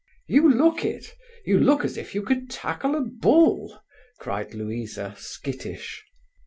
"You look it. You look as if you could tackle a bull," cried Louisa, skittish.